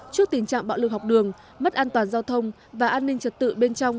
trước tình trạng bạo lực học đường mất an toàn giao thông và an ninh trật tự bên trong